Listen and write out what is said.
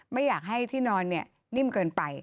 ไม่อยากให้ที่นอนนิ่มเกินไป